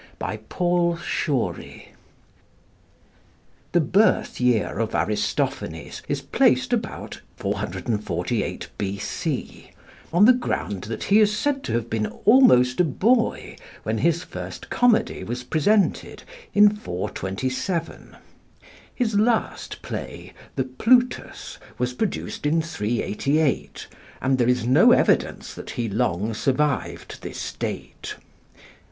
BY PAUL SHOREY The birth year of Aristophanes is placed about 448 B.C., on the ground that he is said to have been almost a boy when his first comedy was presented in 427. His last play, the 'Plutus,' was produced in 388, and there is no evidence that he long survived this date.